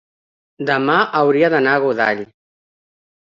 demà hauria d'anar a Godall.